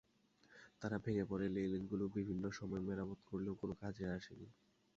তারা ভেঙে পড়া রেলিংগুলো বিভিন্ন সময় মেরামত করলেও কোনো কাজে আসেনি।